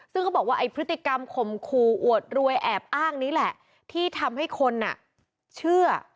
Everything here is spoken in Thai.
ซึ่งเขาบอกว่าไอ้พฤติกรรมข่มขู่อวดรวยแอบอ้างนี้แหละที่ทำให้คนเชื่อ